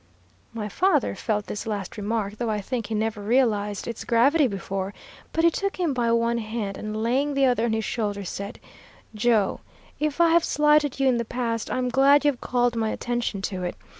My father felt this last remark, though I think he never realized its gravity before, but he took him by one hand, and laying the other on his shoulder said, 'Joe, if I have slighted you in the past, I'm glad you have called my attention to it.